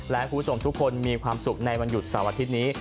และคุณผู้ชมทุกคนมีความสุขในวันหยุดเสาร์อาทิตย์นี้